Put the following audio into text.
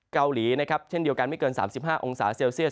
เกาหลีนะครับเช่นเดียวกันไม่เกิน๓๕องศาเซลเซียส